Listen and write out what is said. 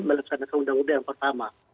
melaksanakan undang undang yang pertama